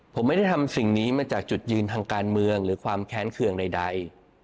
ผมไม่ได้ทำสิ่งนี้มาจากจุดยืนทางการเมืองหรือความแค้นเคืองใด